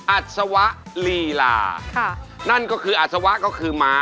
อัศวะลีลานั่นก็คืออัศวะก็คือม้า